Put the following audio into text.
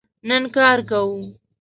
نن کار کوو